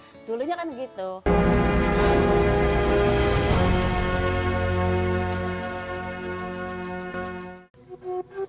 kedua bagaimana cara kita memperbaiki masyarakat ini